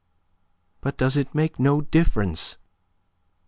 "But does it make no difference?"